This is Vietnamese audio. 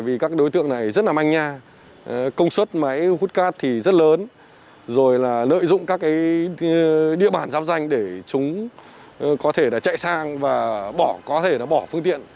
vì các đối tượng này rất là manh nha công suất máy hút cát thì rất lớn rồi là lợi dụng các địa bàn giám danh để chúng có thể chạy sang và có thể bỏ phương tiện